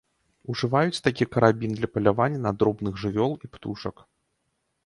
Ужываюць такі карабін для палявання на дробных жывёл і птушак.